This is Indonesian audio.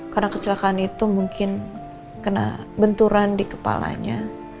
karena kecelakaan itu mungkin kena benturan di kepalanya